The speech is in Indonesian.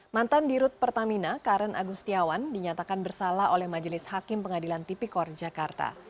mantan dirut pertamina karen agustiawan dinyatakan bersalah oleh majelis hakim pengadilan tipikor jakarta